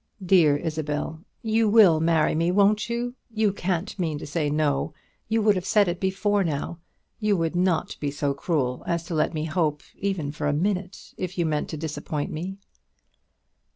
"Dear Isabel, you will marry me, won't you? You can't mean to say no, you would have said it before now. You would not be so cruel as to let me hope, even for a minute, if you meant to disappoint me."